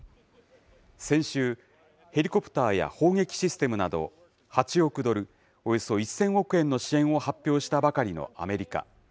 先週、ヘリコプターや砲撃システムなど、８億ドル、およそ１０００億円の支援を発表したばかりのアメリカ。